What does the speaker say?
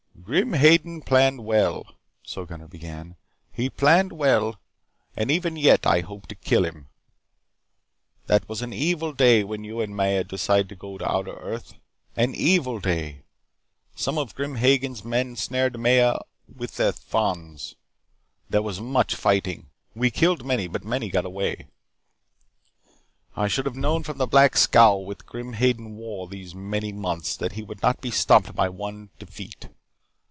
"Grim Hagen planned well." (So Gunnar began). "He planned well, and even yet I hope to kill him. "That was an evil day when you and Maya decided to go back to outer earth. An evil day. Some of Grim Hagen's men snared Maya with their thons. There was much fighting. We killed many but many got away. "I should have known from the black scowl which Grim Hagen had worn those many months that he would not be stopped by one defeat.